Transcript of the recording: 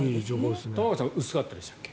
玉川さん薄かったでしたっけ。